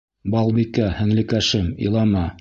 Балбикә, һеңлекәшем, илама...